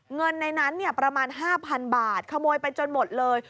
เงินในนั้นประมาณ๕๐๐๐บาทขโมยไปจนหมดเลย